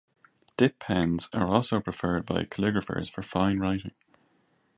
Dip pens are also preferred by calligraphers for fine writing.